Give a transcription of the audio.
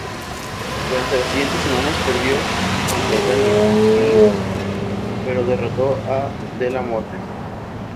Durante las siguientes semanas, perdió contra Tanya Lee, pero derrotó a Della Morte.